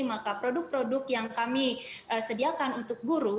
maka produk produk yang kami sediakan untuk guru